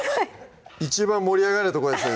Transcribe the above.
一番盛り上がるとこですよ